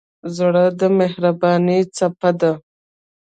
زړه د مهربانۍ څپه ده.